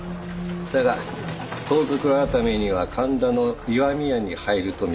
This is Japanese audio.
だが盗賊改には神田の石見屋に入ると見せかける。